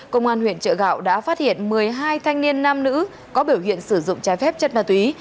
công an huyện trợ gạo đã phát hiện một mươi hai thanh niên nam nữ có biểu hiện sử dụng trái phép chất ma túy